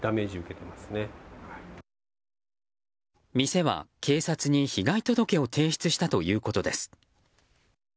店は警察に被害届を提出したということです。